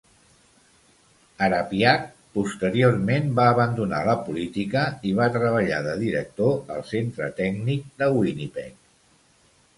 Harapiak posteriorment va abandonar la política, i va treballar de director al Centre tècnic de Winnipeg.